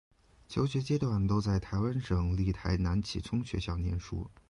求学阶段都在台湾省立台南启聪学校念书。